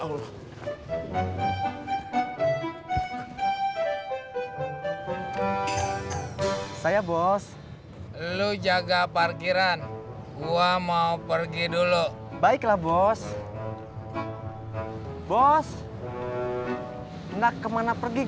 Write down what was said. enggak saya bos lu jaga parkiran gua mau pergi dulu baiklah bos bos enggak kemana pergi